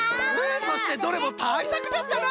そしてどれもたいさくじゃったな！